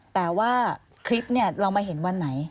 แต่ว่าคลิปเนี่ยเรามาเห็นวันไหน